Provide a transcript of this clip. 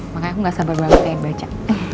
makanya aku ga sabar banget kayak baca